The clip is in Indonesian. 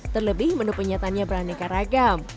terlebih menu penyatannya beraneka ragam